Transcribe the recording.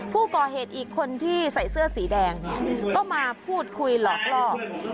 ผู้ก่อเหตุอีกคนที่ใส่เสื้อสีแดงเนี่ยก็มาพูดคุยหลอกล่อ